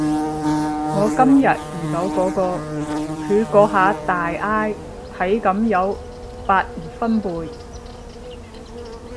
我今日遇到嗰個，佢嗰下大嗌體感有百二分貝